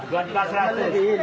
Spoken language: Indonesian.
dua juta seratus